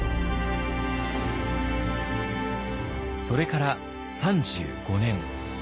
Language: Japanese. それから３５年。